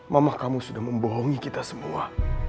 mamah kamu sudah membohongi kita semua